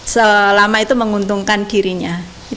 selama itu menguntungkan dirinya